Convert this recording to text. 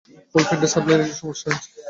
ফুল প্যান্টের সাপ্লাইয়ে একটা সমস্যা হয়েছে।